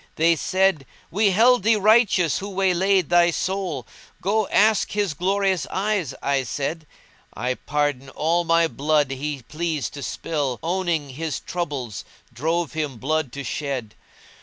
They said, "We held thee righteous, who waylaid * Thy soul?" "Go ask his glorious eyes," I said. I pardon all my blood he pleased to spill * Owning his troubles drove him blood to shed.